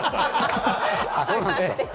そうなんですか。